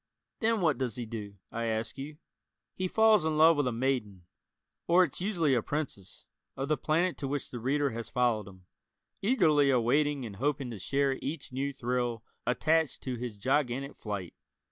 Then what does he do? I ask you. He falls in love with a maiden or it's usually a princess of the planet to which the Reader has followed him, eagerly awaiting and hoping to share each new thrill attached to his gigantic flight.